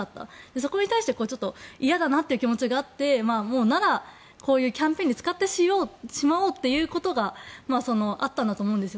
そこに対して嫌だなという気持ちがあってなら、こういうキャンペーンに使ってしまおうということがあったんだと思うんです。